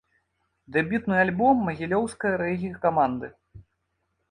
Дэбютны альбом магілёўскай рэгі-каманды.